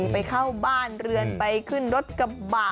ไปเข้าบ้านเรือนไปขึ้นรถกระบะ